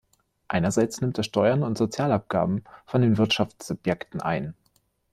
Einerseits nimmt er Steuern und Sozialabgaben von den Wirtschaftssubjekten ein.